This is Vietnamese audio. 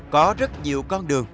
có rất nhiều con đường